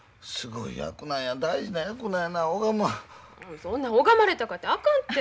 そんな拝まれたかてあかんて。